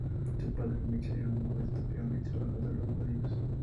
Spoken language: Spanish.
Su padre, Michael, era un modesto peón y trabajador de los molinos.